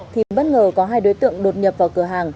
thì bất ngờ có hai đối tượng đột nhập vào cửa hàng